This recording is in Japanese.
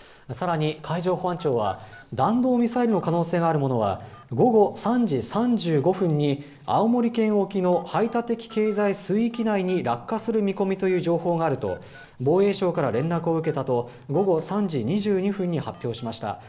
さらに海上保安庁は弾道ミサイルの可能性があるものは午後３時３５分に青森県沖の排他的経済水域内に落下する見込みという情報があると防衛省から連絡を受けたと午後３時２２分に発表しました。